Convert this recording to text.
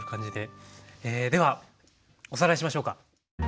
ではおさらいしましょうか。